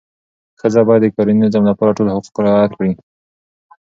ښځه باید د کورني نظم لپاره ټول حقوق رعایت کړي.